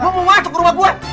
gua mau masuk ke rumah gua